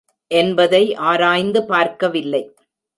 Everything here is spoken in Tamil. என்பதை ஆராய்ந்து பார்க்கவில்லை.